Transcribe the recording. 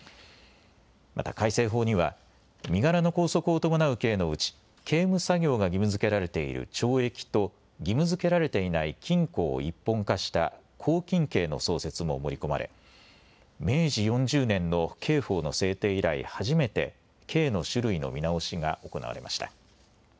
また改正法には、身柄の拘束を伴う刑のうち、刑務作業が義務づけられている懲役と、義務づけられていない禁錮を一本化した拘禁刑の創設も盛り込まれ、明治４０年の刑法の制定以来、初めて、刑の種類の見直しが行われました。